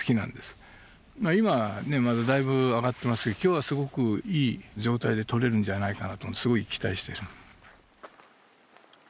今まだだいぶ上がってますけど今日はすごくいい状態で撮れるんじゃないかなと思ってすごい期待してる。